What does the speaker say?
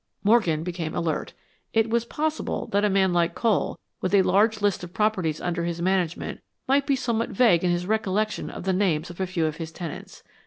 Morgan became alert. It was possible that a man like Cole, with a large list of properties under his management, might be somewhat vague in his recollection of the names of a few of his tenants.